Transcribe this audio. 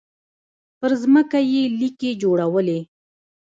پر ځمکه يې ليکې جوړولې.